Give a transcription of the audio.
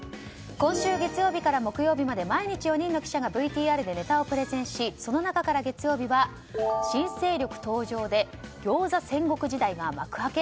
今週月曜日から木曜日まで毎日４人の記者がＶＴＲでネタをプレゼンしその中から月曜日は新勢力登場で餃子全力時代が幕開け？